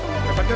dapat satu liter